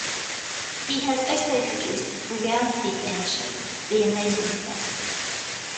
He has also produced the reality game show "The Amazing Race".